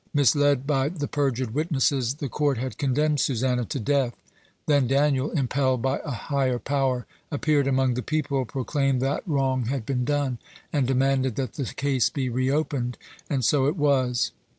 Misled by the perjured witnesses, the court had condemned Susanna to death. Then Daniel, impelled by a higher power, appeared among the people, proclaimed that wrong had been done, and demanded that the case be re opened. And so it was.